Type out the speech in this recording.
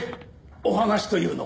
お話というのは。